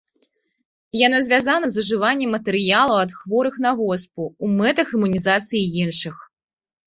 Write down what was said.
Яна звязана з ужываннем матэрыялаў ад хворых на воспу ў мэтах імунізацыі іншых.